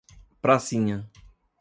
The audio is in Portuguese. Pracinha